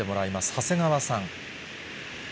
長谷川さん。